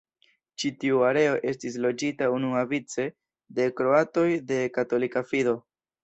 Ĉi-tiu areo estis loĝita unuavice de kroatoj de katolika fido.